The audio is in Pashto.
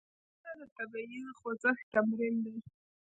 ځغاسته د طبیعي خوځښت تمرین دی